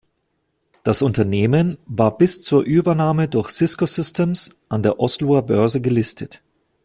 Das Unternehmen war bis zur Übernahme durch Cisco Systems an der Osloer Börse gelistet.